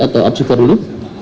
atau apsifo dulu